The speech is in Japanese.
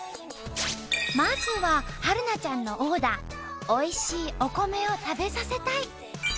まずは春菜ちゃんのオーダー美味しいお米を食べさせたい。